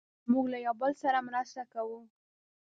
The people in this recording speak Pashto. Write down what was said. موږ له یو بل سره مرسته کوو.